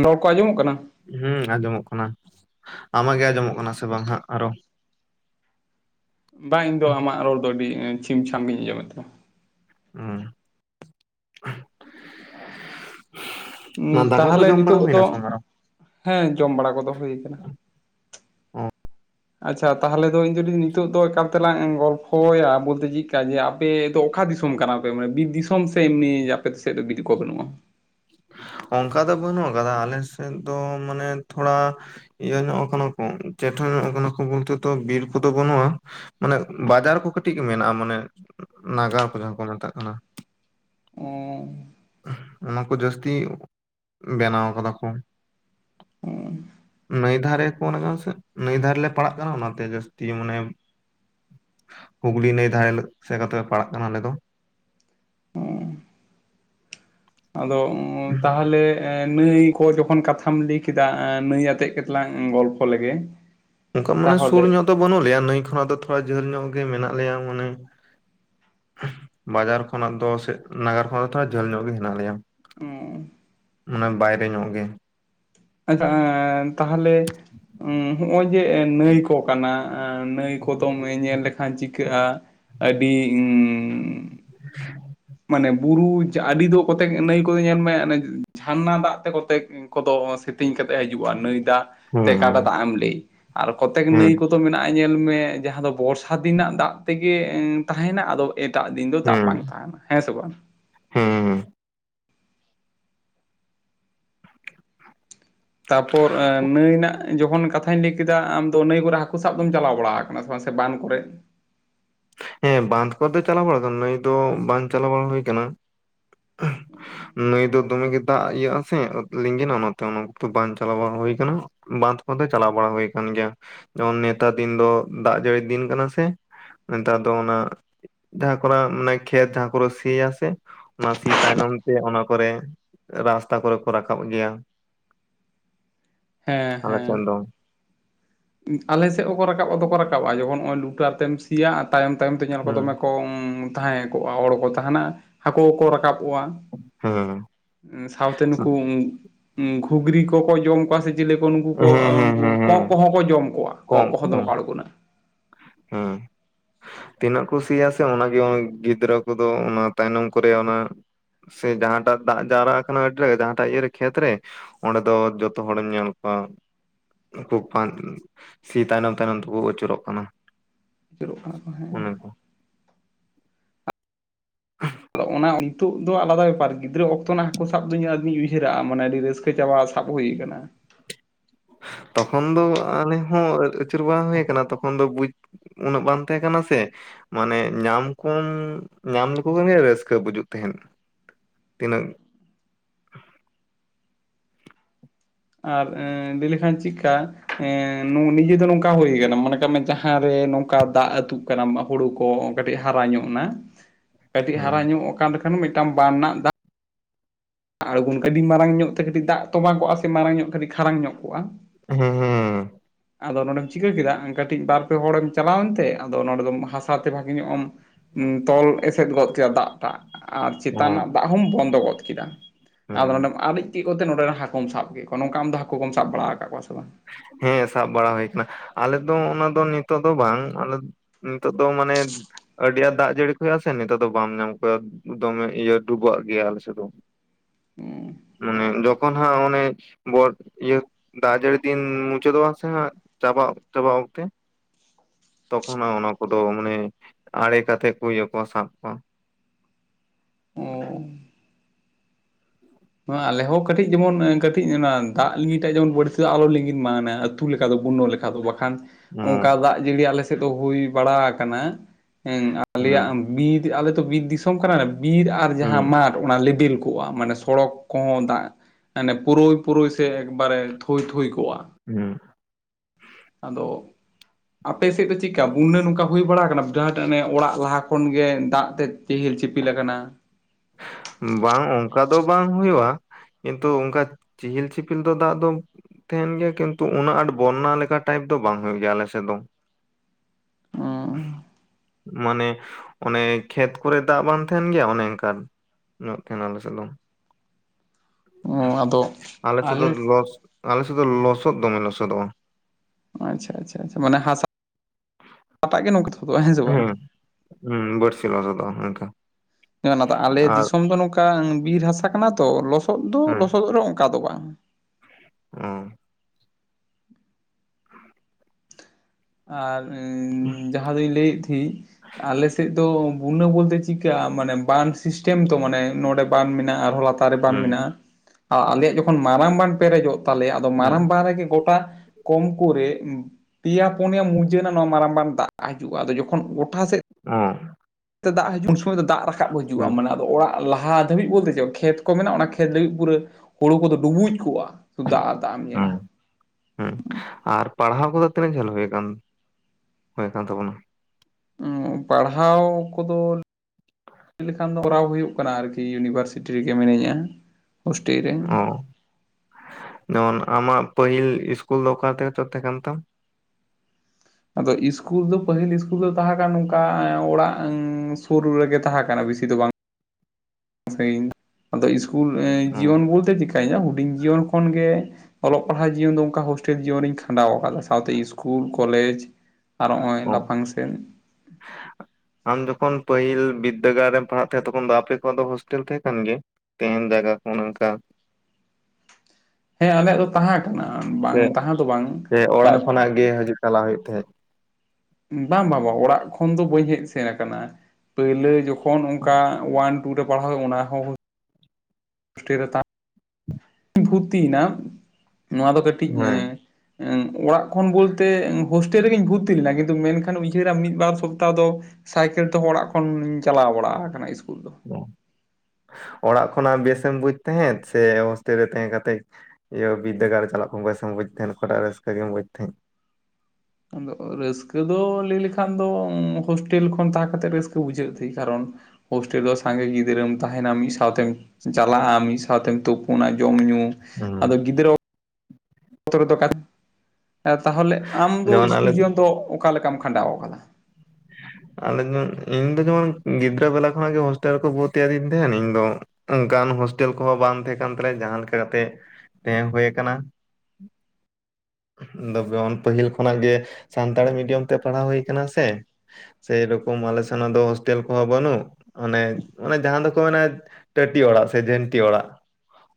ᱨ ᱠᱚᱲᱠᱚ ᱟᱸᱡᱚᱢᱚᱜ ᱠᱟᱱᱟ? ᱦᱩᱸ ᱟᱸᱡᱚᱢᱚᱜ ᱠᱟᱱᱟ ᱟᱢᱟᱜ ᱜᱮ ᱟᱸᱡᱚᱢᱚᱜ ᱠᱟᱱᱟ ᱥᱮ ᱵᱟᱝ ᱦᱟᱜ ᱟᱨᱚ? ᱵᱟᱝ ᱤᱧ ᱫᱚ ᱟᱢᱟᱜ ᱨᱚᱲ ᱫᱚ ᱟᱹᱰᱤ ᱪᱷᱤᱢ ᱪᱷᱟᱢ ᱜᱮᱧ ᱟᱸᱡᱚᱢᱮᱫ ᱛᱟᱢᱟ᱾ ᱦᱩᱸ [inaudible] ᱫᱟᱠᱟ ᱠᱚ ᱛᱟᱦᱚᱞᱮ ᱡᱚᱢ ᱵᱟᱲᱟ ᱱᱤᱛᱚᱜ ᱫᱚ ᱦᱩᱭᱱᱟ ᱥᱮ ᱵᱟᱝ ᱟᱨᱚ ᱦᱮᱸ ᱡᱚᱢ ᱵᱟᱲᱟ ᱠᱚᱫᱚ ᱦᱩᱭ ᱟᱠᱟᱱᱟ᱾ ᱚ ᱟᱪᱪᱷᱟ ᱛᱟᱦᱚᱞᱮ ᱫᱚ ᱤᱧ ᱡᱩᱫᱤᱧ ᱱᱤᱛᱚᱜ ᱫᱚ ᱮᱠᱟᱞᱛᱮᱞᱟᱝ ᱜᱚᱞᱯᱷᱚᱭᱟ ᱵᱚᱞᱛᱮ ᱪᱮᱫ ᱠᱟᱜ ᱡᱮ ᱟᱯᱮ ᱚᱠᱟ ᱫᱤᱥᱚᱢ ᱠᱟᱱᱟᱯᱮ ᱢᱟᱱᱮ ᱵᱤᱨ ᱫᱤᱥᱚᱢ ᱥᱮ ᱮᱢᱱᱤ ᱟᱯᱮ ᱥᱮᱫ ᱫᱚ ᱵᱤᱨ ᱠᱚ ᱵᱟᱹᱱᱩᱜᱼᱟ᱾ ᱚᱱᱠᱟ ᱫᱚ ᱵᱟᱹᱱᱩᱜ ᱟᱠᱟᱫᱟ ᱟᱞᱮ ᱥᱮᱫ ᱫᱚ ᱢᱟᱱᱮ ᱛᱷᱚᱲᱟ ᱤᱭᱟᱹ ᱧᱚᱜ ᱠᱟᱱᱟ ᱠᱚ ᱪᱮᱴᱟ ᱧᱚᱜ ᱠᱟᱱᱟ ᱠᱚ ᱵᱚᱞᱛᱮᱫᱚ ᱵᱤᱨ ᱠᱚᱫᱚ ᱵᱟᱹᱱᱩᱜᱼᱟ᱾ ᱢᱟᱱᱮ ᱵᱟᱡᱟᱨ ᱠᱚ ᱠᱟᱹᱴᱤᱡ ᱢᱮᱱᱟᱜᱼᱟ ᱢᱟᱱᱮ ᱱᱟᱜᱟᱨ ᱠᱚ ᱡᱟᱦᱟᱸ ᱠᱚ ᱢᱮᱛᱟᱜ ᱠᱟᱱᱟ ᱚᱱᱟ ᱠᱚ ᱡᱟᱹᱥᱛᱤ ᱵᱮᱱᱟᱣ ᱠᱟᱫᱟ ᱠᱚ [unintelligible] ᱱᱟᱹᱭ ᱫᱷᱟᱨᱮ ᱠᱚ ᱚᱱᱮ ᱠᱟᱱᱟ ᱥᱮ ᱱᱟᱹᱭ ᱫᱷᱟᱨᱮᱞᱮ ᱯᱟᱲᱟᱜ ᱠᱟᱱᱟ ᱚᱱᱟᱛᱮ ᱡᱟᱹᱥᱛᱤ ᱢᱚᱱᱮ ᱦᱩᱜᱽᱞᱤ ᱱᱟᱹᱭ ᱫᱷᱟᱨᱮ ᱥᱮᱫ ᱠᱟᱛᱮ ᱞᱮ ᱯᱟᱲᱟᱜ ᱠᱟᱱᱟ ᱟᱞᱮ ᱫᱚ ᱟᱫᱚ ᱛᱟᱦᱚᱞᱮ [unintelligible] ᱱᱟᱹᱭ ᱠᱚ ᱡᱚᱠᱷᱚᱱ ᱠᱟᱛᱷᱟᱢ ᱞᱟᱹᱭ ᱠᱮᱫᱟ ᱱᱟᱹᱭ ᱟᱛᱮ ᱜᱮᱞᱟᱝ ᱜᱚᱞᱯᱷᱚ ᱞᱮᱜᱮ ᱚᱱᱠᱟ ᱢᱟᱱᱮ ᱥᱩᱨ ᱛᱟᱦᱚᱞᱮ ᱧᱚᱜ ᱫᱚ ᱵᱟᱹᱱᱩᱜ ᱞᱮᱭᱟ ᱱᱟᱹᱭ ᱠᱷᱚᱱᱟᱜ ᱫᱚ ᱛᱷᱚᱲᱟ ᱡᱷᱟᱹᱞ ᱧᱚᱜ ᱜᱮ ᱢᱮᱱᱟᱜ ᱞᱮᱭᱟ ᱢᱟᱱᱮ ᱵᱟᱡᱟᱨ ᱠᱷᱚᱱᱟᱜ ᱫᱚ ᱥᱮ ᱱᱟᱜᱟᱨ ᱠᱷᱚᱱᱟᱜ ᱫᱚ ᱛᱷᱚᱲᱟ ᱡᱷᱟᱹᱞ ᱧᱚᱜ ᱜᱮ ᱦᱮᱱᱟᱜ ᱞᱮᱭᱟ [unintelligible] ᱢᱟᱱᱮ ᱵᱟᱭᱨᱮ ᱧᱚᱜ ᱜᱮ ᱟᱪ ᱛᱟᱦᱚᱞᱮ ᱦᱚᱜᱼᱚᱭ ᱡᱮ ᱱᱟᱹᱭ ᱠᱚ ᱠᱟᱱᱟ ᱱᱟᱹᱭ ᱠᱚᱫᱚᱢ ᱧᱮᱞ ᱞᱮᱠᱷᱟᱱ ᱪᱤᱠᱟᱹᱜᱼᱟ ᱟᱹᱰᱤ ᱢᱟᱱᱮ ᱵᱩᱨᱩ ᱟᱹᱰᱤ ᱫᱚ ᱠᱚᱛᱮᱠ ᱱᱟᱹᱭ ᱠᱚᱫᱚ ᱧᱮᱞ ᱢᱮ ᱡᱷᱟᱨᱱᱟ ᱫᱟᱜ ᱛᱮ ᱠᱚᱛᱮᱠ ᱠᱚᱫᱚ ᱥᱤᱛᱮᱧ ᱠᱟᱛᱮ ᱦᱤᱡᱩᱜᱼᱟ ᱱᱟᱹᱭ ᱫᱟᱜ ᱦᱩᱸ ᱛᱮ ᱦᱩᱸ ᱜᱟᱰᱟ ᱫᱟᱜ ᱮᱢ ᱞᱟᱹᱭ ᱟᱨ ᱠᱚᱛᱮᱠ ᱱᱟᱹᱭ ᱦᱩᱸ ᱠᱚ ᱠᱚ ᱢᱮᱱᱟᱜᱼᱟ ᱧᱮᱞ ᱢᱮ ᱡᱟᱦᱟᱸ ᱫᱚ ᱵᱚᱨᱥᱟ ᱫᱤᱱ ᱨᱮᱱᱟᱜ ᱫᱟᱜ ᱛᱮᱜᱮ ᱛᱟᱦᱮᱱᱟ ᱟᱫᱚ ᱮᱴᱟᱜ ᱫᱤᱱ ᱫᱚ ᱫᱟᱜ ᱦᱩᱸ ᱵᱟᱝ ᱛᱟᱦᱮᱱᱟ ᱦᱮᱸ ᱥᱮ ᱵᱟᱝ ᱦᱩᱸ ᱛᱟᱯᱚᱨ ᱱᱟᱹᱭ ᱨᱮᱱᱟᱜ ᱡᱚᱠᱷᱚᱱ ᱠᱟᱛᱷᱟᱧ ᱞᱟᱹᱭ ᱠᱮᱫᱟ ᱟᱢ ᱫᱚ ᱱᱟᱹᱭ ᱠᱚᱨᱮ ᱦᱟᱹᱠᱩ ᱥᱟᱵ ᱫᱚᱢ ᱪᱟᱞᱟᱣ ᱵᱟᱲᱟ ᱟᱠᱟᱱᱟ ᱥᱮ ᱵᱟᱝ ᱥᱮ ᱵᱟᱱ ᱠᱚᱨᱮ ᱦᱮᱸ ᱵᱟᱸᱫᱷ ᱠᱚᱫᱚ ᱪᱟᱞᱟᱣ ᱵᱟᱲᱟ ᱟᱠᱟᱱᱟ ᱱᱟᱹᱭ ᱫᱚ ᱵᱟᱝ ᱪᱟᱞᱟᱣ ᱵᱟᱲᱟ ᱦᱩᱭ ᱟᱠᱟᱱᱟ᱾ ᱱᱩᱭ ᱫᱚ ᱫᱚᱢᱮ ᱜᱮ ᱫᱟᱜ ᱤᱭᱟᱹᱜᱼᱟ ᱥᱮ ᱞᱤᱸᱜᱤᱱᱟ ᱚᱱᱟᱛᱮ ᱚᱱᱟᱠᱚᱛᱚ ᱵᱟᱝ ᱪᱟᱞᱟᱣ ᱵᱟᱲᱟ ᱦᱩᱭ ᱟᱠᱟᱱᱟ᱾ ᱵᱟᱸᱫ ᱠᱚᱫᱚ ᱪᱟᱞᱟᱣ ᱵᱟᱲᱟ ᱦᱩᱭ ᱠᱟᱱ ᱜᱮᱭᱟ ᱡᱮᱢᱚᱱ ᱱᱮᱛᱟᱨ ᱫᱤᱱ ᱫᱚ ᱫᱟᱜ ᱡᱟᱹᱲᱤ ᱫᱤᱱ ᱠᱟᱱᱟ ᱥᱮ ᱱᱮᱛᱟᱨ ᱫᱚ ᱚᱱᱟ ᱡᱟᱦᱟᱸ ᱠᱚ ᱢᱟᱱᱮ ᱠᱷᱮᱛ ᱡᱟᱦᱟᱸ ᱠᱚ ᱥᱤ ᱟᱥᱮ ᱚᱱᱟ ᱥᱤ ᱛᱟᱭᱱᱚᱢ ᱛᱮ ᱚᱱᱟ ᱠᱚᱨᱮ ᱨᱟᱥᱛᱟ ᱠᱚᱨᱮ ᱠᱚ ᱨᱟᱠᱟᱵ ᱜᱮᱭᱟ ᱦᱮᱸ ᱟᱞᱮ ᱦᱮᱸ ᱥᱮᱱ ᱫᱚ ᱟᱞᱮ ᱥᱮᱫ ᱦᱚᱸᱠᱚ ᱨᱟᱠᱟᱵᱼᱟ ᱫᱚᱠᱚ ᱨᱟᱠᱟᱵᱼᱟ ᱡᱚᱠᱷᱚᱱ ᱱᱚᱜᱼᱚᱭ ᱞᱩᱴᱟᱨ ᱛᱮᱢ ᱥᱤᱭᱟ ᱟᱨ ᱛᱟᱭᱚᱢ ᱛᱟᱭᱚᱢᱛᱮ ᱧᱮᱞ ᱠᱚ ᱫᱚᱢᱮ ᱦᱩᱸ ᱠᱚ ᱛᱟᱦᱮᱸ ᱠᱚᱜᱼᱟ ᱦᱚᱲ ᱠᱚ ᱛᱟᱦᱮᱱᱟ ᱦᱟᱹᱠᱩᱠᱚ ᱨᱟᱠᱟᱵᱚᱜᱼᱟ᱾ ᱦᱩᱸ ᱥᱟᱶᱛᱮ ᱱᱩᱠᱩ ᱜᱷᱩᱜᱽᱨᱤ ᱠᱚᱠᱚ ᱡᱚᱢ ᱠᱚᱣᱟ ᱥᱮ ᱪᱮᱞᱮ ᱠᱚ ᱱᱩᱠᱩ ᱠᱚ ᱦᱩᱸ ᱦᱩᱸ ᱦᱩᱸ ᱩᱱᱠᱩ ᱦᱩᱸ ᱠᱚᱸᱜ ᱠᱚᱦᱚᱸ ᱠᱚ ᱡᱚᱢ ᱠᱚᱣᱟ᱾ ᱠᱚᱸᱜ ᱠᱚ ᱠᱚᱦᱚᱸ ᱫᱚᱢᱮ ᱟᱬᱜᱚᱱᱟ ᱦᱩᱸ ᱛᱤᱱᱟᱹᱜ ᱠᱩ ᱥᱤᱭᱟᱥᱮ ᱚᱱᱟᱜᱮ ᱜᱤᱫᱽᱨᱟᱹ ᱠᱚᱫᱚ ᱚᱱᱟ ᱛᱟᱭᱱᱚᱢ ᱠᱚᱨᱮ ᱚᱱᱟ ᱥᱮ ᱡᱟᱦᱟᱸ ᱴᱟ ᱫᱟᱜ ᱡᱟᱣᱨᱟ ᱟᱠᱟᱱᱟ [unintelligible] ᱡᱟᱦᱟᱸᱴᱟ ᱨᱮ ᱠᱷᱮᱛ ᱨᱮ ᱚᱸᱰᱮ ᱫᱚ ᱡᱚᱛᱚ ᱦᱚᱲᱤᱮᱢ ᱧᱟᱢ ᱠᱚᱣᱟ ᱩᱱᱠᱩ ᱥᱤ ᱛᱟᱭᱚᱢ ᱛᱟᱭᱱᱚᱢ ᱛᱮᱠᱚ ᱟᱹᱪᱩᱨᱚᱜ ᱠᱟᱱᱟ ᱟᱪᱩᱨᱚᱜ ᱠᱟᱱᱟ ᱠᱚ ᱦᱮᱸ ᱚᱱᱮ ᱚᱱᱠᱟ [inaudible] ᱟᱫᱚ ᱚᱱᱟ ᱱᱤᱛᱳᱜ ᱫᱚ ᱟᱞᱟᱫᱟ ᱵᱮᱯᱟᱨ ᱜᱤᱫᱽᱨᱟᱹ ᱚᱠᱛᱚ ᱨᱮᱱᱟᱜ ᱦᱟᱹᱠᱩ ᱥᱟᱵ ᱫᱚ ᱟᱫᱩᱧ ᱩᱭᱦᱟᱹᱨᱟᱜᱼᱟ, ᱢᱟᱱᱮ ᱟᱹᱰᱤ ᱨᱟᱹᱥᱠᱟᱹ ᱛᱮ ᱪᱟᱵᱟ ᱥᱟᱵ ᱦᱩᱭ ᱟᱠᱟᱱᱟ ᱛᱚᱠᱷᱚᱱ ᱫᱚ ᱟᱞᱮ ᱦᱚᱸ ᱟᱹᱪᱩᱨ ᱵᱟᱝ ᱦᱩᱭ ᱠᱟᱱᱟ ᱛᱚᱠᱷᱚᱱ ᱫᱚ ᱵᱩᱡᱽ ᱩᱱᱟᱹᱜ ᱵᱟᱝ ᱛᱟᱦᱮᱸ ᱠᱟᱱᱟ ᱥᱮ ᱢᱟᱱᱮ ᱧᱟᱢ ᱠᱚᱢ ᱧᱟᱢ ᱞᱮᱠᱚ ᱠᱷᱟᱱᱜᱮ ᱨᱟᱹᱥᱠᱟᱹ ᱵᱩᱡᱩᱜ ᱛᱟᱦᱮᱸᱫ ᱛᱤᱱᱟᱹᱜ ᱟᱨ ᱞᱟᱹᱭ ᱞᱮᱠᱷᱟᱱ ᱪᱮᱫᱠᱟ ᱮᱸᱻ ᱱᱤᱡᱮ ᱫᱚ ᱱᱚᱝᱠᱟ ᱦᱩᱭ ᱠᱟᱱᱟ ᱢᱚᱱᱮ ᱠᱟᱜ ᱢᱮ ᱡᱟᱦᱟᱸᱨᱮ ᱚᱠᱟ ᱫᱟᱜ ᱟᱹᱛᱩᱜ ᱠᱟᱱᱟ ᱦᱩᱲᱩ ᱠᱚ ᱠᱟᱹᱴᱤᱡ ᱦᱟᱨᱟ ᱧᱚᱜ ᱱᱟ ᱠᱟᱹᱴᱤᱡ ᱦᱟᱨᱟ ᱦᱮᱸ ᱧᱚᱜᱚ ᱠᱟᱱ ᱠᱷᱟᱱ ᱢᱤᱫᱴᱟᱝ ᱵᱟᱱ ᱨᱮᱱᱟᱜ ᱫᱟᱜ ᱟᱬᱜᱚᱱ ᱠᱟᱹᱴ ᱢᱟᱨᱟᱝ ᱧᱚᱜ ᱛᱮ ᱠᱟᱹᱴᱤᱡ ᱫᱟᱜ ᱛᱚᱵᱟᱜᱠᱜᱼᱟ ᱥᱮ ᱢᱟᱨᱟᱝ ᱧᱚᱜ ᱠᱟᱹᱴᱤᱡ ᱠᱷᱟᱨᱟᱝ ᱧᱚᱜ ᱠᱚᱜᱼᱟ ᱦᱩᱸ ᱦᱩᱸ ᱟᱫᱚ ᱱᱚᱸᱰᱮᱢ ᱪᱤᱠᱟᱹ ᱠᱮᱫᱟ ᱠᱟᱹᱴᱤᱡ ᱵᱟᱨ ᱯᱮ ᱦᱚᱲᱮᱢ ᱪᱟᱞᱟᱣᱮᱱᱛᱮ ᱟᱫᱚ ᱱᱚᱸᱰᱮ ᱫᱚ ᱦᱟᱥᱟ ᱛᱮ ᱵᱷᱟᱜᱮ ᱧᱚᱜ ᱮᱢ ᱛᱚᱞ ᱮᱥᱮᱫ ᱜᱚᱫ ᱠᱮᱭᱟ ᱫᱟᱜ ᱴᱟᱜ ᱟᱨ ᱪᱮᱛᱟᱱ ᱚ ᱨᱮᱱᱟᱜ ᱫᱟᱜ ᱦᱚᱢ ᱵᱚᱱᱫᱚ ᱜᱚᱫ ᱠᱮᱫᱟ ᱟᱫᱚ ᱦᱮᱸ ᱱᱚᱸᱰᱮᱢ ᱟᱨᱮᱡ ᱠᱮᱫ ᱛᱮ ᱱᱚᱰᱮ ᱨᱮᱱ ᱦᱟᱹᱠᱩᱢ ᱥᱟᱵ ᱠᱮᱫ ᱠᱚᱣᱟ ᱱᱚᱝᱠᱟ ᱟ ᱫᱚ ᱦᱟᱹᱠᱩ ᱠᱚᱢ ᱥᱟᱵ ᱵᱟᱲᱟ ᱟᱠᱟᱫ ᱠᱚᱣᱟ ᱥᱮ ᱵᱟᱝ ᱦᱮᱸ ᱥᱟᱵ ᱵᱟᱲᱟ ᱦᱩᱭ ᱠᱟᱱᱟ ᱟᱞᱮ ᱫᱚ ᱚᱱᱟ ᱫᱚ ᱱᱤᱛᱚᱜ ᱫᱚ ᱵᱟᱝ ᱚᱱᱮ ᱱᱤᱛᱚᱜ ᱫᱚ ᱢᱟᱱᱮ ᱟᱹᱰᱤ ᱟᱸᱴ ᱫᱟᱜ ᱡᱟᱹᱲᱤ ᱠᱚ ᱦᱩᱭᱩᱜᱼᱟ ᱥᱮ ᱱᱮᱛᱟᱨ ᱫᱚ ᱵᱟᱢ ᱧᱟᱢ ᱠᱚᱼᱟ ᱫᱚᱢᱮ ᱤᱭᱟᱹ ᱰᱩᱵᱟᱹᱜ ᱜᱮᱭᱟ ᱟᱞᱮ ᱥᱮᱫ ᱫᱚ ᱡᱠᱷᱚᱱ ᱦᱟᱸ ᱚᱱ ᱵ ᱤᱭᱟᱹ ᱫᱡᱟᱲᱤ ᱫᱤᱱ ᱢᱩᱪᱟᱹᱫᱚᱜᱼᱟ ᱥᱮ ᱦᱟᱸᱜ ᱪᱟᱵᱟ ᱪᱟᱵᱟ ᱚᱠᱛᱮ ᱛᱚᱠᱷᱚᱱᱟᱜ ᱚᱱᱟ ᱠᱚᱫᱚ ᱢᱟᱱᱮ ᱟᱲᱮ ᱠᱟᱛᱮᱜ ᱠᱚ ᱤᱭᱟᱹ ᱠᱚᱣᱟ ᱥᱟᱵ ᱠᱚᱣᱟ ᱚ ᱱᱚᱣᱟ ᱟᱞᱮᱦᱚᱸ ᱠᱟᱹᱴᱤᱡ ᱡᱮᱢᱚᱱ ᱠᱟᱹᱴᱤᱡ ᱚᱱᱟ ᱫᱟᱜ ᱞᱤᱸᱜᱤ ᱴᱟᱜ ᱡᱮᱢᱚᱱ ᱵᱟᱹᱲᱛᱤ ᱫᱚ ᱟᱞᱚ ᱞᱤᱸᱜᱤᱱ ᱢᱟ ᱟᱹᱛᱩ ᱞᱮᱠᱟ ᱫᱚ ᱵᱩᱱᱱᱚ ᱞᱮᱠᱟ ᱟᱫᱚ ᱵᱟᱠᱷᱟᱱ ᱦᱮᱸ ᱚᱱᱠᱟ ᱫᱟᱜ ᱡᱟᱹᱲᱤ ᱟᱞᱮ ᱥᱮᱫ ᱫᱚ ᱦᱩᱭ ᱵᱟᱲᱟ ᱟᱠᱟᱱᱟ ᱦᱮᱸ ᱟᱞᱮᱭᱟᱜ ᱦᱮᱸ ᱵᱤᱨ ᱟᱞᱮ ᱫᱚ ᱵᱤᱨ ᱫᱤᱥᱚᱢ ᱠᱟᱱᱟ ᱵᱤᱨ ᱟᱨ ᱦᱩᱸ ᱡᱟᱦᱟᱸ ᱢᱟᱴᱷ ᱚᱱᱟ ᱞᱮᱵᱮᱞ ᱠᱚᱜᱼᱟ᱾ ᱢᱟᱱᱮ ᱥᱚᱲᱚᱠ ᱠᱚᱦᱚᱸ ᱫᱟᱜ ᱢᱟᱱᱮ ᱯᱩᱨᱩᱭ ᱯᱩᱨᱩᱭ ᱥᱮ ᱮᱠᱵᱟᱨᱮ ᱛᱷᱩᱭ ᱛᱷᱩᱭ ᱠᱚᱜᱼᱟ᱾ ᱦᱩᱸ ᱟᱫᱚ ᱟᱯᱮ ᱥᱮᱫ ᱫᱚ ᱪᱤᱠᱠᱟ ᱵᱩᱱᱱᱟᱹ ᱱᱚᱝᱠᱟ ᱦᱩᱭ ᱵᱟᱲᱟ ᱠᱟᱱᱟ ᱵᱤᱨᱟᱴ ᱮᱱᱮ ᱚᱲᱟᱜ ᱞᱟᱦᱟ ᱠᱷᱚᱱᱜᱮ ᱫᱟᱜ ᱛᱮ ᱪᱤᱦᱤᱞ ᱪᱤᱯᱤᱞ ᱟᱠᱟᱱᱟ᱾ ᱵᱟᱝ ᱚᱱᱠᱟ ᱫᱚ ᱵᱟᱝ ᱦᱩᱭᱩᱜᱼᱟ᱾ ᱠᱤᱱᱛᱩ ᱚᱱᱠᱟ ᱪᱮᱦᱤᱞ ᱪᱤᱯᱤᱞ ᱫᱚ ᱫᱟᱜ ᱫᱚ ᱛᱟᱦᱮᱱ ᱜᱮᱭᱟ ᱠᱤᱱᱛᱩ ᱩᱱᱟᱹᱜ ᱟᱸᱴ ᱵᱚᱱᱱᱟᱹ ᱞᱮᱠᱟ ᱴᱟᱭᱤᱯ ᱫᱚ ᱵᱟᱝ ᱦᱚᱭᱳᱜ ᱜᱮᱭᱟ ᱟᱞᱮᱥᱮᱫ ᱫᱚ᱾ ᱢᱟᱱᱮ ᱚᱱᱮ ᱠᱷᱮᱛ ᱠᱚᱨᱮ ᱫᱟᱜ ᱵᱟᱝ ᱛᱟᱦᱮᱱ ᱜᱮᱭᱟ ᱚᱱᱮ ᱚᱱᱠᱟ᱾ ᱛᱟᱦᱮᱱᱟ ᱟᱞᱮ ᱥᱮ ᱫᱚᱢ ᱚ ᱟᱫᱚ ᱟᱞᱮ ᱥᱮᱫ ᱫᱚ ᱞᱚᱥ ᱟᱞᱮ ᱥᱮᱫ ᱫᱚ ᱞᱚᱥᱚᱫ ᱫᱚᱢᱮ ᱞᱚᱥᱚᱫᱚᱜᱼᱟ᱾ ᱟᱪᱪᱷᱟ ᱟᱪᱪᱷᱟ ᱟᱪᱪᱷᱟ ᱢᱟᱱᱮ ᱦᱟᱥᱟᱜ [inaudible] ᱡᱟᱦᱟ ᱴᱟᱜ ᱜᱮ [unintelligible] ᱦᱮᱸ ᱥᱮ ᱵᱟᱝ? ᱦᱩᱸ ᱵᱟᱴᱥᱤ ᱞᱚᱦᱚᱫᱚᱜᱼᱟ ᱮᱱᱠᱷᱟᱱ᱾ ᱦᱮᱸ ᱚᱱᱟ ᱫᱚ ᱟᱞᱮ ᱫᱤᱥᱚᱢ ᱫᱚ ᱱᱚᱝᱠᱟ ᱵᱤᱨ ᱦᱟᱥᱟ ᱠᱟᱱᱟ ᱛᱚ ᱞᱚᱥᱚᱫ ᱫᱚ ᱞᱚᱥᱚᱫᱚᱜ ᱨᱮᱦ ᱚᱱᱠᱟ ᱫᱚ ᱵᱟᱝ᱾ ᱚᱸ ᱟᱨ ᱮᱸ ᱡᱟᱦᱟᱸ ᱫᱩᱧ ᱞᱟᱹᱭᱮᱫ ᱛᱟᱦᱮᱸᱫ ᱟᱞᱮᱥᱮᱫ ᱫᱚ ᱵᱩᱱᱱᱟᱹ ᱵᱚᱞᱛᱮ ᱪᱤᱠᱟᱹᱜᱼᱟ ᱢᱟᱱᱮ ᱵᱟᱱ ᱥᱤᱥᱴᱮᱢ ᱛᱚ ᱢᱟᱱᱮ ᱱᱚᱰᱮ ᱵᱟᱱ ᱢᱮᱱᱟᱜᱼᱟ ᱟᱨ ᱦᱚ ᱞᱟᱛᱟᱨ ᱥᱟᱨᱮᱵᱟᱱ ᱦᱩᱸ ᱢᱮᱱᱟᱜᱼᱟ ᱟᱨ ᱟᱞᱮᱭᱟᱜ ᱡᱚᱠᱷᱚᱱ ᱢᱟᱨᱟᱝ ᱵᱟᱱ ᱯᱮᱨᱮᱡᱚᱜ ᱛᱟᱞᱮᱭᱟ ᱟᱫᱚ ᱦᱩᱸ ᱢᱟᱨᱟᱝ ᱵᱟᱱ ᱨᱮᱜᱮ ᱜᱚᱴᱟ ᱠᱚᱢ ᱠᱚᱨᱮ ᱯᱮᱭᱟ ᱯᱩᱱᱭᱟ ᱢᱩᱡᱟᱹ ᱨᱮᱱᱟᱜ ᱱᱚᱣᱟ ᱢᱟᱨᱟᱝ ᱢᱟᱨᱟᱝ ᱫᱟᱜ ᱦᱤᱡᱩᱜᱼᱟ ᱟᱫᱚ ᱡᱚᱠᱷᱚᱱ ᱜᱚᱴᱟ ᱥᱮᱫ [inaudible] ᱛᱮ ᱫᱟᱜ ᱦᱤᱡᱩᱜ ᱩᱱ ᱥᱚᱢᱚᱭ ᱫᱚ ᱫᱟᱜ ᱨᱟᱠᱟᱵ ᱠᱚ ᱦᱤᱡᱩᱜᱼᱟ ᱦᱩᱸ ᱢᱟᱱ ᱟᱫᱚ ᱚᱲᱟᱜ ᱞᱟᱦᱟ ᱫᱷᱟᱹᱵᱤᱡ ᱵᱚᱞᱛᱮ ᱪᱮᱫ ᱠᱷᱮᱛ ᱠᱚ ᱢᱮᱱᱟᱜᱼᱟ ᱚᱱᱟ ᱠᱷᱮᱛ ᱫᱷᱟᱹᱵᱤᱡ ᱯᱩᱨᱟᱹ ᱦᱩᱲᱩ ᱠᱚᱫᱚ ᱰᱩᱵᱩᱡ ᱠᱚᱜᱼᱟ ᱫᱟᱜ ᱫᱟᱜ ᱮᱢ ᱧᱮᱞᱟ ᱦᱩᱸ ᱦᱩᱸ ᱟᱨ ᱯᱟᱲᱦᱟᱣ ᱠᱚᱫᱚ ᱛᱤᱱᱟᱹᱜ ᱡᱷᱟᱹᱞ ᱦᱩᱭ ᱟᱠᱟᱱ ᱦᱩᱭ ᱟᱠᱟᱱ ᱛᱟᱵᱚᱱᱟ ᱦᱸ ᱯᱟᱲᱦᱟᱣ ᱠᱚᱫᱚ ᱢᱮᱱ ᱞᱮᱠᱷᱟᱱ ᱫᱚ ᱠᱚᱨᱟᱣ ᱦᱩᱭᱩᱜ ᱠᱟᱱᱟ ᱟᱨᱠᱤ ᱤᱭᱩᱱᱤᱵᱷᱟᱨᱥᱤᱴᱤ ᱨᱮᱜᱮ ᱢᱤᱱᱟᱹᱧᱟ ᱦᱳᱥᱴᱮᱞ ᱨᱮ ᱚ ᱡᱮᱢᱚᱱ ᱟᱢᱟᱜ ᱯᱟᱹᱦᱤᱞ ᱤᱥᱠᱩᱞ ᱫᱚ ᱚᱠᱟ ᱛᱮ ᱪᱚ ᱛᱟᱦᱮᱸ ᱠᱟᱱ ᱛᱟᱢ ᱟᱫᱚ ᱤᱥᱠᱩᱞ ᱫᱚ ᱯᱟᱹᱦᱤᱞ ᱤᱥᱠᱩᱞ ᱫᱚ ᱛᱟᱦᱮᱸ ᱠᱟᱱᱟ ᱱᱚᱝᱠᱟ ᱚᱲᱟᱜ ᱥᱩᱨ ᱨᱮᱜᱮ ᱛᱟᱦᱮᱸ ᱠᱟᱱᱟ ᱵᱤᱥᱤ ᱫᱚ ᱵᱟᱝ ᱟᱫᱚ ᱤᱥᱠᱩᱞ ᱚ ᱡᱤᱭᱚᱱ ᱵᱚᱞᱛᱮ ᱪᱮᱠᱟᱹᱭᱟᱹᱧᱟᱹ ᱦᱩᱰᱤᱧ ᱡᱤᱭᱚᱱ ᱠᱷᱚᱱᱜᱮ ᱚᱞᱚᱜ ᱯᱟᱲᱦᱟᱜ ᱡᱤᱭᱚᱱ ᱫᱚ ᱚᱱᱠᱟ ᱦᱳᱥᱴᱮᱞ ᱡᱤᱭᱚᱱ ᱨᱤᱧ ᱠᱷᱟᱸᱰᱟᱣ ᱟᱠᱟᱫᱟ ᱥᱟᱶᱛᱮ ᱤᱥᱠᱩᱞ ᱠᱚᱞᱮᱡᱽ ᱟᱨ ᱱᱚᱜᱼᱚᱭ ᱚ ᱞᱟᱯᱷᱟᱝ ᱥᱮᱱ ᱟᱢ ᱡᱚᱠᱷᱚᱱ ᱯᱟᱹᱦᱤᱞ ᱵᱤᱨᱫᱟᱹ ᱜᱟᱲ ᱨᱮᱢ ᱯᱟᱲᱦᱟᱜ ᱛᱟᱦᱮᱸᱫ ᱛᱚᱠᱷᱚᱱ ᱫᱚ ᱟᱯᱮ ᱠᱚᱣᱟᱜ ᱫᱚ ᱦᱳᱥᱴᱮᱞ ᱠᱚ ᱛᱟᱦᱮᱸ ᱠᱟᱱ ᱜᱮᱭᱟ ᱛᱟᱦᱮᱱ ᱡᱟᱭᱜᱟ ᱚᱱᱮ ᱚᱱᱠᱟ ᱦᱮᱸ [unintelligible] ᱛᱟᱦᱮᱸ ᱠᱟᱱᱟ ᱥᱮ ᱵᱟᱝ ᱛᱟᱦᱮᱸ ᱫᱚ ᱵᱟᱝ ᱥᱮ ᱚᱲᱟᱜ ᱢᱟᱱᱮ ᱠᱷᱚᱱᱟᱜ ᱜᱮ ᱦᱤᱡᱩᱜ ᱪᱟᱞᱟᱜ ᱦᱩᱭᱩᱜ ᱛᱟᱦᱮᱸᱫ ᱵᱟᱝ ᱵᱟᱝ ᱵᱟᱝ ᱚᱲᱟᱜ ᱠᱷᱚᱱ ᱫᱚ ᱵᱟᱹᱧ ᱦᱮᱡ ᱥᱮᱱ ᱟᱠᱟᱱᱟ ᱯᱩᱭᱞᱩ ᱡᱚᱠᱷᱚᱱ ᱚᱱᱠᱟ ᱣᱟᱱ ᱴᱩ ᱨᱮ ᱯᱟᱲᱦᱟᱣ ᱦᱩᱭᱩᱜ ᱚᱱᱟ ᱦᱚᱸ ᱦᱩᱭᱩᱜᱼᱟ ᱦᱳᱥᱴᱮᱞ ᱨᱮ ᱛᱟ [unintelligible] ᱵᱷᱩᱨᱛᱤᱭᱮᱱᱟ᱾ ᱱᱚᱣᱟ ᱫᱚ ᱠᱟᱹᱴᱤᱡ ᱦᱮᱸ ᱚᱲᱟᱜ ᱠᱷᱚᱱ ᱵᱚᱞᱛᱮ ᱦᱳᱥᱴᱮᱞ ᱨᱮᱜᱤᱧ ᱵᱷᱩᱨᱛᱤ ᱞᱮᱱᱟ ᱠᱤᱱᱛᱩ ᱢᱮᱱᱠᱷᱟᱱ ᱩᱭᱦᱟᱹᱨᱟ ᱢᱤᱫ ᱵᱟᱨ ᱥᱚᱯᱛᱟᱦ ᱫᱚ ᱥᱟᱭᱠᱮᱞ ᱛᱮᱦᱚᱸ ᱚᱲᱟᱜ ᱠᱷᱚᱱᱤᱧ ᱪᱟᱞᱟᱣ ᱵᱟᱲᱟ ᱠᱟᱱᱟ ᱥᱠᱩᱞ ᱫᱚ ᱚᱲᱟᱜ ᱠᱷᱚᱱᱟᱜ ᱵᱮᱥᱢ ᱵᱩᱡ ᱛᱟᱦᱮᱸᱫ ᱥᱮ ᱦᱳᱥᱴᱮᱞ ᱨᱮ ᱛᱟᱦᱮᱸ ᱠᱟᱛᱮᱫ ᱤᱭᱟᱹ ᱵᱤᱨᱫᱟᱹᱜᱟᱲ ᱨᱮ ᱪᱟᱞᱟᱜ ᱠᱚ ᱵᱮᱥᱮ ᱵᱩᱡᱽ ᱛᱟᱦᱮᱸᱫ ᱚᱠᱟ ᱨᱟᱹᱥᱠᱟᱹ ᱜᱮᱢ ᱵᱩᱡᱽ ᱛᱟᱦᱮᱸᱫ ᱟᱫᱚ ᱨᱟᱹᱥᱠᱟᱹ ᱫᱚ ᱞᱟᱹᱭ ᱞᱮᱠᱷᱟᱱ ᱫᱚ ᱦᱳᱥᱴᱮᱞ ᱠᱷᱚᱱ ᱛᱟᱦᱮᱸ ᱠᱟᱛᱮᱫ ᱨᱟᱹᱥᱠᱟᱹ ᱵᱩᱡᱷᱟᱹᱜ ᱛᱮ ᱠᱟᱨᱚᱱ ᱦᱳᱥᱴᱮᱞ ᱫᱚ ᱥᱟᱸᱜᱮ ᱜᱤᱫᱽᱨᱟᱹᱢ ᱛᱟᱦᱮᱱᱟ ᱢᱤᱫ ᱥᱟᱶᱛᱮᱢ ᱪᱟᱞᱟᱜᱼᱟᱢ ᱢᱤᱫ ᱥᱟᱶᱛᱮᱢ ᱛᱩᱯᱩᱱᱟ ᱡᱚᱢ ᱧᱩ ᱟᱫᱚ ᱦᱩᱸ ᱜᱤᱫᱽᱨᱟᱹ ᱛᱟᱦᱚᱞᱮ ᱟᱢ ᱫᱚ ᱡᱮᱢᱚᱱ ᱟᱞᱮ ᱤᱥᱠᱩᱞ ᱡᱤᱭᱚᱱ ᱫᱚ ᱚᱠᱟ ᱞᱮᱠᱟᱢ ᱠᱷᱟᱸᱰᱟᱣ ᱟᱠᱟᱫᱟ ᱟᱞᱮ ᱤᱧ ᱫᱚ ᱡᱮᱢᱚᱱ ᱜᱤᱫᱽᱨᱟᱹ ᱵᱮᱞᱟ ᱠᱷᱚᱱᱟᱜ ᱜᱮ ᱦᱳᱥᱴᱮᱞ ᱰᱷᱟᱨᱛᱤ ᱠᱟᱫᱤᱱ ᱛᱟᱦᱮᱱ ᱤᱧ ᱫᱚ ᱚᱱᱠᱟᱱ ᱦᱳᱥᱴᱮᱞ ᱠᱚᱦᱚᱸ ᱵᱟᱝ ᱛᱟᱦᱮᱸ ᱠᱟᱱ ᱛᱟᱞᱮᱭᱟ ᱡᱟᱦᱟᱸ ᱞᱮᱠᱟ ᱠᱟᱛᱮᱜ ᱛᱟᱦᱮᱸ ᱦᱩᱭ ᱟᱠᱟᱱᱟ [unintelligible] ᱡᱮᱢᱚᱱ ᱯᱟᱹᱦᱤᱞ ᱠᱷᱚᱱᱟᱜ ᱜᱮ ᱥᱟᱱᱛᱟᱲᱤ ᱢᱤᱰᱤᱭᱟᱢ ᱛᱮ ᱯᱟᱲᱦᱟᱣ ᱦᱩᱭ ᱟᱠᱟᱱᱟ ᱥᱮ ᱥᱮᱭᱨᱚᱠᱚᱢ ᱟᱞᱮ ᱥᱮᱱᱟᱜ ᱫᱚ ᱦᱳᱥᱴᱮᱞ ᱠᱚᱦᱚᱸ ᱵᱟᱹᱱᱩᱜ ᱢᱟᱱᱮ ᱚᱱᱮ ᱡᱟᱦᱟᱸ ᱫᱚᱠᱚ ᱢᱮᱱᱟ ᱴᱟᱴᱤ ᱚᱲᱟᱜ ᱥᱮ ᱡᱮᱱᱴᱤ ᱚᱲᱟᱜ,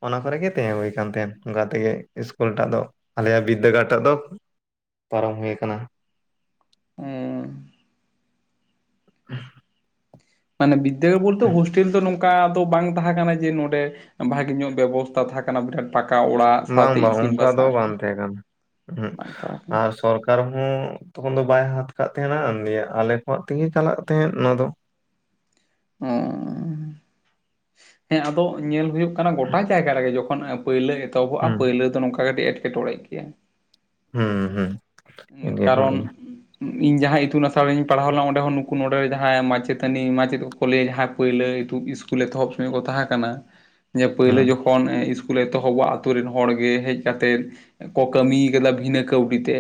ᱚᱱᱟ ᱠᱚᱨᱮ ᱜᱮ ᱛᱟᱦᱮᱸ ᱦᱩᱭ ᱟᱠᱟᱱ ᱛᱟᱦᱮᱸᱱ ᱚᱱᱠᱟ ᱛᱮᱜᱮ ᱤᱥᱠᱩᱞ ᱴᱟᱜ ᱫᱚ ᱟᱞᱮᱭᱟᱜ ᱵᱤᱫᱽᱫᱟᱹᱜᱟᱲ ᱴᱟᱜ ᱫᱚ ᱯᱟᱨᱚᱢ ᱦᱩᱭ ᱟᱠᱟᱱᱟ [unintelligible] ᱢᱟᱱᱮ ᱵᱤᱫᱽᱫᱟᱹᱜᱟᱲ ᱵᱚᱞᱛᱮ ᱦᱳᱥᱴᱮᱞ ᱛᱚ ᱱᱚᱝ ᱠᱟ ᱫᱚ ᱵᱟᱝ ᱛᱟᱦᱮᱸ ᱠᱟᱱᱟ, ᱡᱮ ᱱᱚᱸᱰᱮ ᱵᱷᱟᱜᱮ ᱧᱚᱜ ᱵᱮᱵᱚᱥᱛᱟ ᱛᱟᱦᱮᱸ ᱠᱟᱱᱟ, ᱵᱤᱨᱟᱴ ᱯᱟᱠᱟ ᱚᱲᱟᱜ ᱵᱟᱝ ᱥᱟᱶᱛᱮ ᱵᱟᱝ ᱤᱥᱤᱱ ᱚᱝᱠᱟ ᱫᱚ ᱵᱟᱥᱟᱝ ᱵᱟᱝ ᱛᱟᱦᱮᱸ ᱠᱟᱱᱟ, ᱩ ᱵᱟᱝ ᱛᱟᱦᱮᱸ ᱠᱟᱱᱟ ᱟᱨ ᱥᱚᱨ ᱟᱨᱦᱚᱸ ᱛᱚᱠᱷᱚᱱ ᱫᱚ ᱵᱟᱭ ᱦᱟᱛ ᱠᱟᱜ ᱛᱟᱦᱮᱸᱱᱟ, ᱱᱤᱭᱮ ᱟᱞᱮ ᱠᱷᱚᱣᱟᱜ ᱛᱮᱜᱮ ᱪᱟᱞᱟᱜ ᱛᱟᱦᱮᱸᱫ, ᱚᱱᱟ ᱫᱚ᱾ ᱚ ᱦᱮᱸ ᱟᱫᱚ ᱧᱮᱞ ᱦᱩᱭᱩᱜ ᱠᱟᱱᱟ ᱜᱚᱴᱟ ᱡᱟᱭᱜᱟ ᱨᱮᱜᱮ ᱡᱚᱠᱷ ᱛᱚᱠᱷᱚᱱ ᱯᱳᱭᱞᱳ ᱮᱛᱚᱦᱚᱵᱚᱜᱼᱟ ᱦᱩᱸ ᱯᱳᱭᱞᱳ ᱫᱚ ᱱᱚᱝᱠᱟ ᱠᱟᱹᱴᱤᱡ ᱮᱴᱠᱮᱴᱚᱬᱮ ᱜᱮᱭᱟ ᱦᱮᱸ ᱦᱮᱸ ᱠᱟᱨᱚᱱ ᱤᱧ ᱡᱟᱦᱟᱸ ᱤᱛᱩᱱ ᱟᱥᱲᱟ ᱨᱮᱧ ᱯᱟᱲᱦᱟᱣ ᱞᱮᱱᱟ ᱚᱸᱰᱮ ᱦᱚᱸ ᱱᱩᱠᱩ ᱱᱚᱸᱰᱮᱨᱮ ᱡᱟᱦᱟᱸᱭ ᱢᱟᱪᱮᱛᱟᱹᱱᱤ ᱢᱟᱪᱮᱫ ᱠᱚᱞᱮ ᱡᱟᱦᱟᱸ ᱯᱳᱭᱞᱳ ᱤᱥᱠᱩᱞ ᱮᱛᱚᱦᱚᱵ ᱥᱚᱸᱜᱮ ᱠᱚ ᱛᱟᱦᱮᱸ ᱠᱟᱱᱟ ᱯᱳᱭᱞᱳ ᱦᱩᱸ ᱡᱚᱠᱷᱚᱱ ᱛᱚᱠᱷᱚᱱ ᱤᱥᱠᱩᱞ ᱮᱛᱚᱦᱚᱵᱚᱜᱼᱟ ᱟᱛᱳ ᱨᱮᱱ ᱦᱚᱲ ᱜᱮ ᱦᱮᱡ ᱠᱟᱛᱮᱫ ᱠᱚ ᱠᱟᱹᱢᱤᱭ ᱟᱠᱟᱫᱟ ᱵᱷᱤᱱᱟᱹ ᱠᱟᱹᱣᱰᱤ ᱛᱮ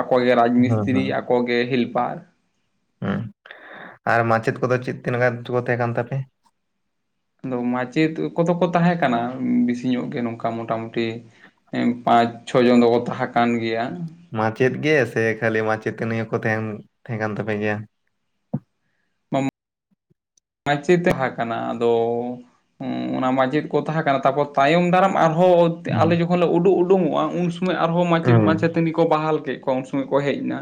ᱟᱠᱚ ᱨᱟᱡᱽ ᱦᱩᱸ ᱢᱤᱥᱛᱤᱨᱤ ᱟᱠᱚ ᱦᱮᱞᱯᱟᱨ ᱦᱮᱸ ᱟᱨ ᱢᱟᱪᱮᱫ ᱠᱚᱫᱚ ᱪᱮᱫ ᱛᱤᱱᱟᱹᱠᱟ ᱠᱚ ᱛᱟᱦᱮᱸ ᱠᱟᱱ ᱛᱟᱯᱮᱭᱟ ᱟᱫᱚ ᱢᱟ. ᱪᱮᱫ ᱠᱚᱫᱚ ᱠᱚ ᱛᱟᱦᱮᱸ ᱠᱟᱱᱟ ᱵᱮᱥᱤ ᱧᱚᱜ ᱜᱮ ᱱᱚᱝᱠᱟ ᱢᱚᱴᱟᱢᱩᱴᱤ ᱯᱟᱸᱪ ᱪᱷᱚ ᱡᱚᱱ ᱫᱚᱠᱚ ᱛᱟᱦᱮᱸ ᱠᱟᱱ ᱜᱮᱭᱟ ᱢᱟᱪᱮᱫ ᱜᱮ ᱥᱮ ᱠᱷᱟᱹᱞᱤ ᱢᱟᱪᱮᱫ ᱛᱟ ᱱᱤᱭᱟᱹᱦᱸ ᱠᱚ ᱛᱟᱦᱮᱸᱱ ᱛᱟᱦᱮᱸ ᱠᱟᱱ ᱛᱟᱯᱮᱜ ᱜᱮᱭᱟ ᱯᱚᱢ [unintelligible] ᱢᱟᱪᱮᱛ ᱛᱟᱡᱮ ᱠᱟᱱᱟ, ᱟᱫᱚ ᱦᱩᱸ ᱚᱱᱟ ᱢᱟᱪᱮᱫ ᱠᱚ ᱛᱟᱦᱮᱸ ᱠᱟᱱᱟ, ᱛᱟᱯᱚᱨ ᱛᱟᱭᱚᱢ ᱫᱟᱨᱟᱢ ᱟᱨᱦᱚᱸ ᱦᱩᱸ ᱟᱞᱮ ᱡᱚᱠᱷᱚᱱ ᱞᱮ ᱩᱰᱩᱠ ᱩᱰᱩᱠᱚᱜᱼᱟ, ᱩᱱ ᱥᱚᱢᱚᱭ ᱟᱨᱦᱚᱸ ᱢᱟᱪᱮᱫ ᱦᱩᱸ ᱢᱟᱪᱮᱫ ᱛᱟᱹᱱᱤ ᱠᱚ ᱵᱟᱦᱟᱞ ᱠᱮᱜ ᱠᱚᱣᱟ, ᱩᱱ ᱥᱚᱢᱚᱭ ᱠᱚ ᱦᱮᱡ ᱱᱟ,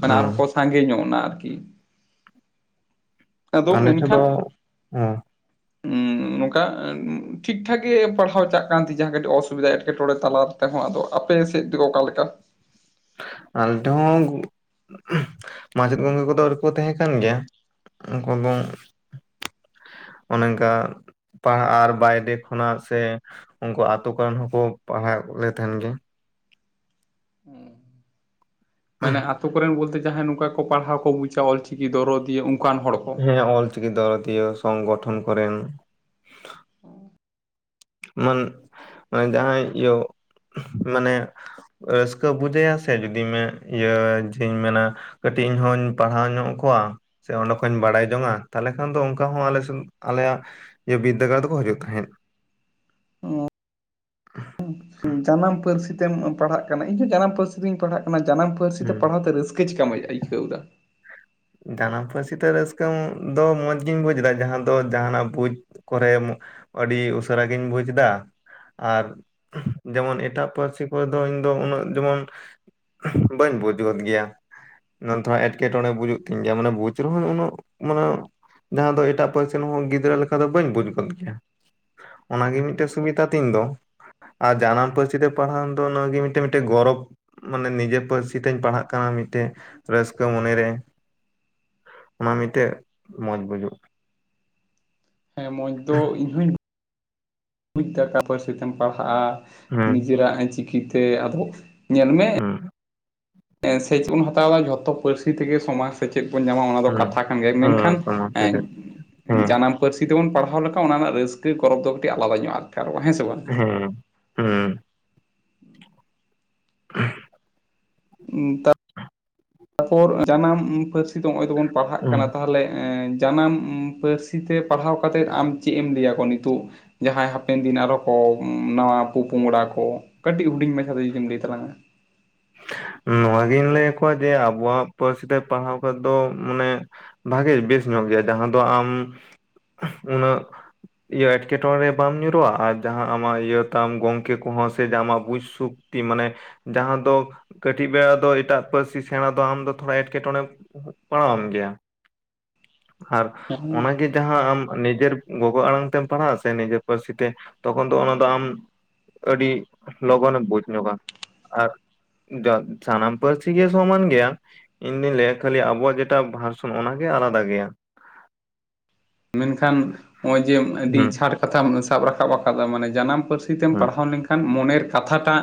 ᱢᱟᱱᱮ ᱟᱨ ᱦᱩᱸ ᱠᱚ ᱥᱟᱸᱜᱮ ᱧᱚᱜ ᱱᱟ ᱟᱨᱠᱤ, ᱟᱫᱚ ᱩᱝ ᱟᱫᱚ [unintelligible] ᱩᱸ ᱱᱚᱝᱠᱟ ᱴᱷᱤᱠᱴᱷᱟᱠ ᱜᱮ ᱯᱟᱲᱦᱟᱣ ᱪᱟᱜ ᱠᱟᱱ ᱛᱤᱡ, ᱡᱟᱦᱟᱸ ᱠᱟᱹᱴᱤᱡ ᱚᱥᱩᱵᱤᱫᱟ ᱮᱴᱠᱮᱴᱚᱬᱮ ᱛᱟᱞᱟᱨ᱾ ᱛᱮᱦᱚᱸ ᱟᱫᱚ ᱟᱯᱮ ᱥᱮᱫ ᱫᱚ ᱚᱠᱟᱞᱮᱠᱟ? ᱟᱞ ᱴᱮᱦᱚᱸ, ᱢᱟᱪᱮᱫ ᱜᱚᱝᱠᱮ ᱠᱚᱫᱚ ᱟᱹᱰᱤᱠᱚ ᱛᱟᱦᱮᱸ ᱠᱟᱱ ᱜᱮᱭᱟ᱾ ᱩᱝᱠᱩᱫᱚᱝ ᱚᱱᱮ ᱚᱱᱠᱟ᱾ ᱯᱟᱲᱦᱟᱜ ᱟᱨ ᱵᱟᱭᱨᱮ ᱠᱷᱚᱱᱟᱜ ᱥᱮ ᱩᱱᱠᱩ ᱟᱛᱳ ᱠᱚᱨᱮᱱ ᱦᱚᱸᱠᱚ ᱯᱟᱲᱦᱟᱜ ᱞᱮ ᱛᱟᱦᱮᱱ ᱜᱮ᱾ ᱩᱸ ᱢᱟᱱᱮ ᱟᱛᱳ ᱠᱚᱨᱮᱱ ᱵᱚᱞᱛᱮ ᱡᱟᱦᱟᱸᱭ ᱱᱚᱝᱠᱟ ᱠᱚ ᱯᱟᱲᱦᱟᱣ ᱠᱚ ᱵᱩᱪᱟ, ᱚᱞᱪᱤᱠᱤ ᱫᱚᱨᱚᱫᱤᱭᱟᱹ, ᱚᱱᱠᱟᱱ ᱦᱚᱲ ᱠᱚ᱾ ᱦᱮᱸ ᱚᱞ ᱪᱤᱠᱤ ᱫᱟᱨᱚᱛᱤᱭᱟᱹ, ᱥᱚᱝᱜᱚᱴᱷᱚᱱ ᱠᱚᱨᱮᱱ᱾ ᱢᱚᱱ ᱢᱮ ᱡᱟᱦᱟᱸᱭ ᱳ [unintelligible] ᱢᱟᱱᱮ ᱨᱟᱹᱥᱠᱟᱹ ᱵᱩᱡᱟᱹᱭᱟ ᱥᱮ ᱡᱩᱫᱤ ᱢᱮ ᱤᱭᱟᱹ ᱡᱮᱧ ᱢᱮᱱᱟ ᱠᱟᱹᱴᱤᱡ, ᱤᱧ ᱦᱚᱧ ᱯᱟᱲᱦᱟᱣ ᱧᱚᱜ ᱠᱚᱣᱟ᱾ ᱥᱮ ᱚᱸᱰᱮ ᱠᱷᱚᱱᱚᱡᱧ ᱵᱟᱲᱟᱭ ᱡᱚᱝᱟ, ᱛᱟᱦᱞᱮ ᱠᱷᱟᱱ ᱫᱚ ᱚᱱᱠᱟ ᱦᱚᱸ ᱟᱞᱮᱥᱮᱱ ᱟᱞᱮᱭᱟᱜ ᱡᱮ ᱵᱤᱫᱽᱫᱟᱹᱜᱟᱲ ᱫᱚ ᱠᱚ ᱦᱤᱡᱩᱜ ᱛᱟᱦᱮᱸᱫ᱾ [unintelligible] ᱡᱟᱱᱟᱢ ᱯᱟᱹᱨᱥᱤ ᱛᱮᱢ ᱯᱟᱲᱦᱟᱜ ᱠᱟᱱᱟ, ᱤᱧᱦᱚᱸ ᱡᱟᱱᱟᱢ ᱯᱟᱹᱨᱥᱤ ᱛᱮᱢ ᱯᱟᱲᱦᱟᱜ ᱠᱟᱱᱟ, ᱡᱟᱱᱟᱢ ᱯᱟᱹᱨᱥᱤ ᱛᱮ ᱦᱩᱸ ᱯᱟᱲᱦᱟᱣ ᱛᱮ ᱨᱟᱹᱥ ᱪ [unintelligible] ᱠᱟᱢ ᱟᱭᱠᱟᱹᱳᱫᱟ᱾ ᱡᱟᱱᱟᱢ ᱯᱟᱹᱨᱥᱤᱛᱮ ᱨᱟᱹᱥᱠᱟᱹ ᱫᱚ ᱢᱚᱸᱡᱽᱜᱤᱧ ᱵᱩᱡ ᱫᱟ, ᱡᱟᱦᱟᱸ ᱫᱚ ᱡᱟᱦᱟᱱᱟᱜ ᱵᱩᱡ ᱠᱚᱨᱮ, ᱟᱹᱰᱤ ᱩᱥᱟᱹᱨ ᱜᱤᱧ ᱵᱩᱡᱽ ᱫᱟ᱾ ᱟᱨ, ᱡᱮᱢᱚᱱ ᱮᱴᱟᱜ ᱯᱟᱹᱨᱥᱤ ᱠᱚᱨᱮ ᱫᱚ ᱤᱧ ᱫᱚ ᱩᱱᱟᱹᱜ ᱡᱮᱢᱚᱱ ᱵᱟᱹᱧ ᱵᱩᱡ ᱜᱚᱫ ᱜᱮᱭᱟ, ᱱᱚᱛᱮᱦᱚ ᱮᱴᱠᱮᱴᱚᱬᱮ ᱵᱩᱡᱩᱜ ᱜᱮ ᱢᱟᱱᱮ ᱵᱩᱡᱽ ᱨᱮᱦᱚᱸᱭ ᱩᱱᱟᱹᱜ ᱢᱟᱱᱮ ᱡᱟᱦᱟᱸ ᱫᱚ ᱮᱴᱟᱜ ᱯᱟᱹᱨᱥᱤ ᱨᱮᱱᱦᱚᱸ ᱜᱤᱫᱽᱨᱟᱹ ᱞᱮᱠᱟ ᱫᱚ ᱵᱟᱹᱧ ᱵᱩᱡᱽ ᱜᱚᱫ ᱠᱮᱭᱟ, ᱚᱱᱟᱜᱮ ᱢᱤᱫᱴᱮᱱ ᱟᱪᱪᱷᱟ ᱥᱩᱵᱤᱫᱟ᱾ ᱛᱤᱧ ᱫᱚ, ᱟᱨ ᱡᱟᱱᱟᱢ ᱯᱟᱹᱨᱥᱤ ᱛᱮ ᱯᱟᱲᱦᱟᱣ ᱫᱚ ᱱᱟᱹᱜᱮ ᱢᱤᱴᱮ-ᱢᱤᱴᱮ ᱜᱚᱨᱚᱵᱽ ᱢᱟᱱᱮ ᱱᱤᱡᱮ ᱯᱟᱹᱨᱥᱤ ᱛᱤᱧ ᱯᱟᱲᱦᱟᱜ ᱠᱟᱱᱟ ᱢᱤᱫᱴᱮᱡ ᱨᱟᱹᱥᱠᱟᱹ ᱢᱚᱱᱮ ᱨᱮ᱾ ᱚᱱᱟ ᱢᱤᱫᱴᱮᱜ ᱢᱚᱸᱡᱽ ᱵᱩᱡᱩᱜ ᱦᱮᱸ ᱢᱚᱡᱽ ᱫᱚ ᱤᱧ ᱦᱚᱧ [inaudible] ᱵᱩᱡ ᱮᱫᱟ ᱢᱤᱫᱴᱟᱝ ᱯᱟᱹᱨᱥᱤ ᱛᱮᱢ ᱯᱟᱲᱦᱟᱜᱼᱟ᱾ ᱦᱩᱸ ᱱᱤᱡᱮᱨᱟᱜ ᱪᱤᱠᱤ ᱛᱮ᱾ ᱟᱫᱚ ᱧᱮᱞ ᱢᱮ᱾ ᱦᱩᱸ ᱥᱮᱪᱮᱫ ᱵᱚᱱ ᱦᱟᱛᱟᱣᱟ ᱡᱷᱚᱛᱚ ᱯᱟᱹᱨᱥᱤ ᱛᱮ ᱜᱮ ᱥᱚᱢᱟᱡᱽ ᱪᱮᱫ ᱵᱚᱱ ᱧᱟᱢᱟ, ᱚᱱᱟ ᱫᱚ ᱦᱩᱸ ᱠᱟᱛᱷᱟ ᱠᱟᱱ ᱜᱮᱭᱟ, ᱢᱮᱱᱠᱷᱟᱱ ᱦᱮᱸ ᱥᱚᱢᱟᱡᱽ ᱥᱮᱪᱮᱫ ᱦᱮᱸ ᱡᱟᱱᱟᱢ ᱯᱟᱹᱨᱥᱤ ᱛᱮᱵᱚᱱ ᱯᱟᱲᱦᱟᱣ ᱞᱮᱠᱷᱟᱱ, ᱚᱱᱟ ᱨᱮᱱᱟᱜ ᱨᱟᱹᱥᱠᱟᱹ ᱜᱚᱨᱚᱵᱽ ᱫᱚ ᱠᱟᱹᱴᱤᱡ ᱟᱞᱟᱫᱟ ᱧᱚᱜᱼᱟ, ᱟᱴᱠᱟᱨᱚᱜᱼᱟ ᱵᱟᱝ ᱦᱮᱸ ᱥᱮ ᱵᱟᱝ? ᱦᱮᱸ ᱩᱸ [unintelligible] ᱩ [unintelligible] ᱦ [unintelligible] ᱛᱟᱨᱯᱚᱨ ᱡᱟᱱᱟᱢ ᱯᱟᱹᱨᱥᱤ ᱫᱚ ᱱᱚᱜᱼᱚᱭ ᱫᱚᱵᱚᱱ ᱯᱟᱲᱦᱟᱜ ᱦᱩᱸ ᱠᱟᱱᱟ ᱾ᱛᱟᱦᱚᱞᱮ ᱡᱟᱱᱟᱢ ᱯᱟᱹᱨᱥᱤ ᱛᱮ ᱯᱟᱲᱦᱟᱣ ᱠᱟᱛᱮᱫ, ᱟᱢ ᱪᱮᱫ ᱮᱢ ᱞᱟᱹᱭᱟ ᱠᱚᱣᱟ ᱱᱤᱛᱳᱜ? ᱡᱟᱦᱟᱸᱭ ᱦᱟᱯᱮᱱ ᱫᱤᱱ ᱟᱨᱚ ᱠᱚ ᱱᱟᱣᱟ ᱯᱚ ᱯᱚᱝᱲᱟ ᱠᱚ ᱠᱟᱹᱴᱤᱡ ᱤᱵᱤᱧ ᱢᱟᱪᱷᱟ ᱨᱮ ᱞᱟᱹᱭ ᱛᱟᱞᱟᱝ ᱼᱟ ᱾ ᱱᱚᱣᱟ ᱜᱮᱧ ᱞᱟᱹᱭ ᱟᱠᱚᱣᱟ ᱡᱮ ᱟᱵᱚᱣᱟᱜ ᱯᱟᱹᱨᱥᱤ ᱛᱮ ᱯᱟᱲᱦᱟᱣ ᱠᱟᱛᱮ ᱫᱚ ᱢᱟᱱᱮ ᱵᱷᱟᱜᱤ ᱵᱮᱥ ᱧᱚᱜ ᱜᱮᱭᱟ ᱡᱟᱦᱟᱸ ᱫᱚ ᱟᱢ ᱩᱱᱟᱹᱜ ᱤᱭᱟᱹ ᱮᱴᱠᱮᱴᱚᱬᱮ ᱨᱮ ᱵᱟᱢ ᱧᱩᱨᱩᱜᱼᱟ ᱟᱨ ᱡᱟᱦᱟᱸ ᱟᱢᱟᱜ ᱤᱭᱟᱹ ᱛᱟᱢ ᱜᱚᱝᱠᱮ ᱠᱚᱦᱚᱸ ᱥᱮ ᱡᱟᱦᱟᱸ ᱟᱢᱟᱜ ᱵᱩᱡᱽ ᱥᱩᱠ ᱛᱤ ᱢᱟᱱᱮ ᱡᱟᱦᱟᱸ ᱫᱚ ᱠᱟᱹᱴᱤᱡ ᱵᱮᱲᱟ ᱫᱚ ᱮᱴᱟᱜ ᱯᱟᱹᱨᱥᱤ ᱥᱮᱬᱟ ᱫᱚ ᱟᱢ ᱫᱚ ᱛᱷᱚᱲᱟ ᱮᱴᱠᱮᱴᱚᱬᱮ ᱯᱟᱲᱟᱣᱟᱢ ᱜᱮᱭᱟ ᱟᱨ ᱦᱮᱸ ᱚᱱᱟ ᱜᱮ ᱡᱟᱦᱟᱸ ᱟᱢ ᱱᱤᱡᱮᱨ ᱜᱚᱜᱚ ᱟᱲᱟᱝ ᱛᱮᱢ ᱯᱟᱲᱦᱟᱜ ᱟ ᱥᱮ ᱱᱤᱡᱮᱨ ᱯᱟᱹᱨᱥᱤ ᱛᱮ ᱛᱚᱠᱷᱚᱱ ᱫᱚ ᱚᱱᱟ ᱫᱚ ᱟᱢ ᱟᱹᱰᱤ ᱞᱚᱜᱚᱱᱮ ᱵᱩᱡᱽ ᱧᱚᱜᱼᱟ ᱟᱨ ᱥᱟᱱᱟᱢ ᱯᱟᱹᱨᱥᱤ ᱜᱮ ᱥᱚᱢᱟᱱ ᱜᱮᱭᱟ ᱾ ᱤᱧ ᱫᱩᱧ ᱞᱟᱹᱭᱟ ᱠᱷᱟᱹᱞᱤ ᱟᱵᱚᱣᱟᱜ ᱡᱮᱴᱟ ᱵᱷᱟᱨᱥᱚᱱ ᱚᱱᱟ ᱜᱮ ᱟᱞᱟᱫᱟ ᱜᱮᱭᱟ ᱾ [inaudible] ᱢᱮᱱ ᱠᱷᱟᱱ ᱱᱚᱜᱼᱚᱭ ᱡᱮ ᱟᱹᱰᱤ ᱦᱩᱸ ᱪᱷᱟᱴ ᱠᱟᱛᱷᱟᱢ ᱥᱟᱵ ᱨᱟᱠᱟᱵ ᱟᱠᱟᱫᱟ ᱢᱟᱱᱮ ᱡᱟᱱᱟᱢ ᱯᱟᱹᱨᱥᱤ ᱛᱮᱢ ᱦᱩᱸ ᱯᱟᱲᱦᱟᱣ ᱞᱮᱱ ᱠᱷᱟᱱ ᱢᱚᱱᱮᱨ ᱠᱟᱛᱷᱟᱴᱟᱜ